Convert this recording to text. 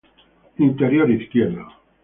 Insider izquierdo.